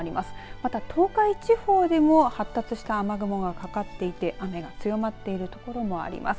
また、東海地方でも発達した雨雲がかかっていて雨が強まっている所があります。